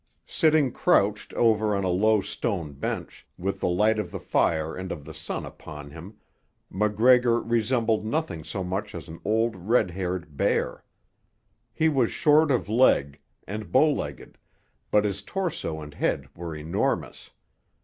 Sitting crouched over on a low stone bench, with the light of the fire and of the sun upon him, MacGregor resembled nothing so much as an old red haired bear. He was short of leg and bow legged, but his torso and head were enormous.